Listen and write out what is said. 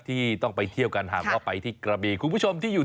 ที่ต้องไปเที่ยวกันหากว่าไปที่กระบีคุณผู้ชมที่อยู่